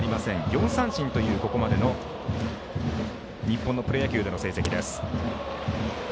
４三振というここまでの日本のプロ野球での成績です。